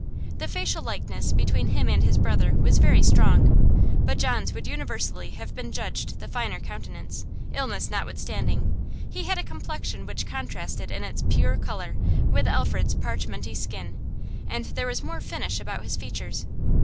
The facial likeness between him and his brother was very strong, but John's would universally have been judged the finer countenance; illness notwithstanding, he had a complexion which contrasted in its pure colour with Alfred's parchmenty skin, and there was more finish about his features.